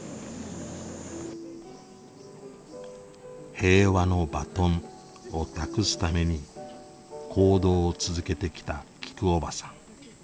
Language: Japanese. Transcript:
平和のバトンを託すために行動を続けてきたきくおばさん。